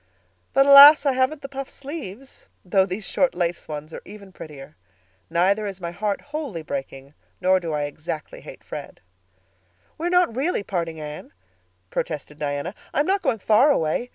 But, alas! I haven't the puffed sleeves—though these short lace ones are even prettier. Neither is my heart wholly breaking nor do I exactly hate Fred." "We are not really parting, Anne," protested Diana. "I'm not going far away.